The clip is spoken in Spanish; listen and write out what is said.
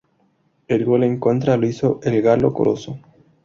El gol en contra lo hizo el Galo Corozo.